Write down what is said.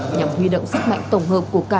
nhằm huy động sức mạnh tổng hợp của cả